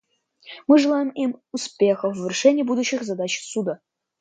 Мы желаем им успехов в решении будущих задач Суда.